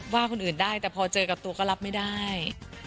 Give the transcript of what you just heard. ว่าคนอื่นได้แต่พอเจอกับตัวก็รับไม่ได้